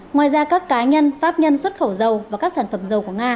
ngoài ra các cá nhân pháp nhân xuất khẩu dầu và các sản phẩm dầu của nga